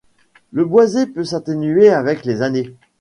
Le boisé peut s'atténuer avec les années.